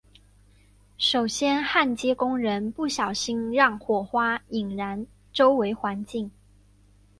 首先焊接工人不小心让火花引燃周围环境。